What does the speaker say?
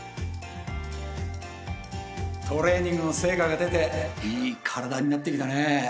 トレーニングの成果が出ていい体になってきたねえ。